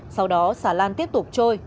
sau đó xà lan tiếp tục trôi